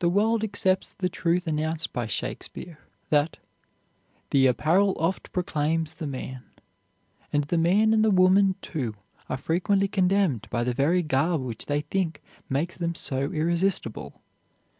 The world accepts the truth announced by Shakespeare that "the apparel oft proclaims the man"; and the man and the woman, too, are frequently condemned by the very garb which they think makes them so irresistible.